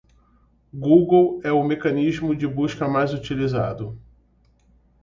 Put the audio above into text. Google é o mecanismo de busca mais utilizado.